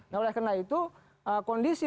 nah oleh karena itu kondisi